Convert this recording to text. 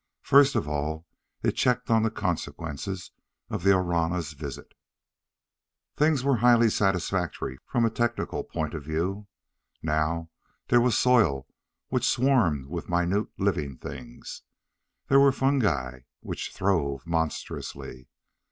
First of all, it checked on the consequences of the Orana's visit. They were highly satisfactory, from a technical point of view. Now there was soil which swarmed with minute living things. There were fungi which throve monstrously.